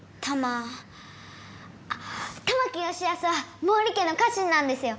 あっ玉木吉保は毛利家の家臣なんですよ。